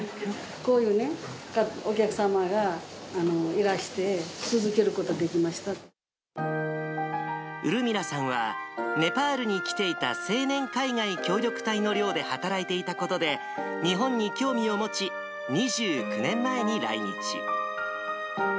こういうね、お客様がいらして、ウルミラさんは、ネパールに来ていた、青年海外協力隊の寮で働いていたことで、日本に興味を持ち、２９年前に来日。